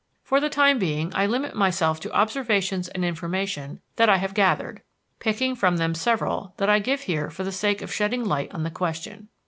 For the time being I limit myself to observations and information that I have gathered, picking from them several that I give here for the sake of shedding light on the question.